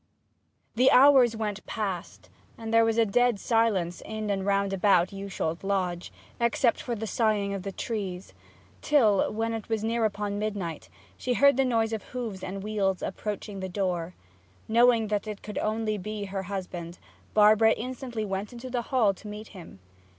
The hours went past, and there was dead silence in and round about Yewsholt Lodge, except for the soughing of the trees; till, when it was near upon midnight, she heard the noise of hoofs and wheels approaching the door. Knowing that it could only be her husband, Barbara instantly went into the hall to meet him.